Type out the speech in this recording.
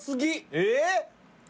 えっ！